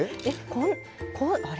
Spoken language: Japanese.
あれ？